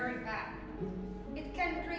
seperti punya kerja